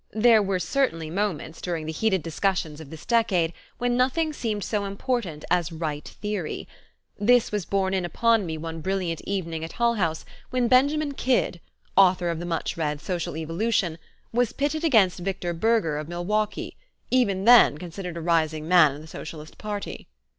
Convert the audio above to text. There were certainly moments during the heated discussions of this decade when nothing seemed so important as right theory: this was borne in upon me one brilliant evening at Hull House when Benjamin Kidd, author of the much read "Social Evolution," was pitted against Victor Berger of Milwaukee, even then considered a rising man in the Socialist Party.